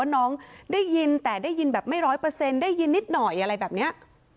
น้องได้ยินแต่ได้ยินแบบไม่ร้อยเปอร์เซ็นต์ได้ยินนิดหน่อยอะไรแบบนี้